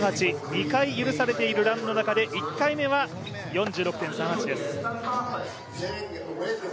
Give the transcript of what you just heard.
２回許されているランのうち１回目は４６．３８です。